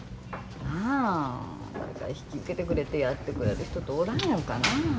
なあ誰か引き受けてくれてやってくれる人おらんやろかな。